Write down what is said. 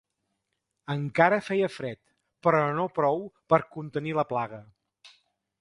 Encara feia fred, però no prou per contenir la plaga